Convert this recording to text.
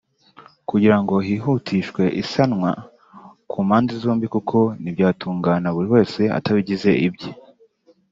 kugira ngo hihutishwe isanwa ku mpande zombi kuko ntibyatungana buri wese atabigize ibye